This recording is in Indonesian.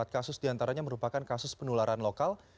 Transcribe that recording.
empat kasus diantaranya merupakan kasus penularan lokal